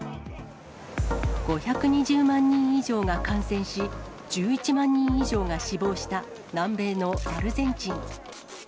５２０万人以上が感染し、１１万人以上が死亡した南米のアルゼンチン。